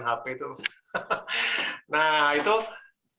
nah itu bagaimana komunikasi itu tanpa